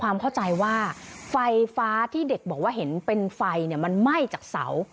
ความเข้าใจว่าไฟฟ้าที่เด็กบอกว่าเห็นเป็นไฟมันไหม้จากเสา